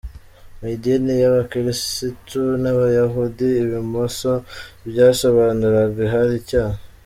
Mu idini y’Abakirisitu n’Abayahudi, ibumoso byasobanuraga ahari icyaha.